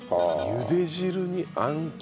ゆで汁にあん肝。